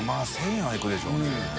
１０００円はいくでしょうね。